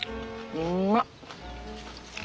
うまっ！